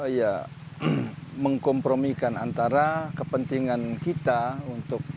ya mengkompromikan antara kepentingan kita untuk